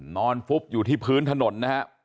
ฟุบอยู่ที่พื้นถนนนะฮะ